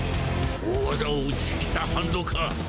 大技を撃ち過ぎた反動か。